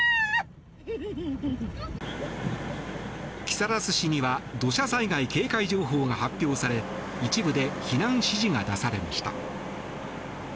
木更津市には土砂災害警戒情報が発表され一部で避難指示が出されました。